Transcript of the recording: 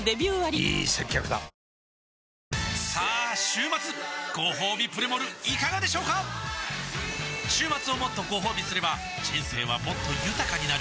さあ週末ごほうびプレモルいかがでしょうか週末をもっとごほうびすれば人生はもっと豊かになる！